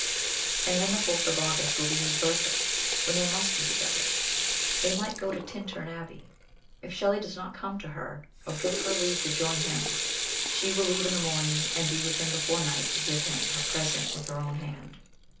And then the 4th of August will be his birthday, when they must be together. They might go to Tintern Abbey. If Shelley does not come to her, or give her leave to join him, she will leave in the morning and be with him before night to give him her present with her own hand.